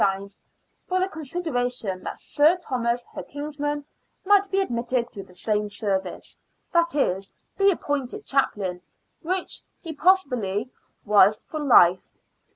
for the consideration that Sir Thomas, her kinsman, might be 22 SIXTEENTH CENTURY BRISTOL. admitted to the same service "— that is, be appointed chaplain, which he possibly was for life.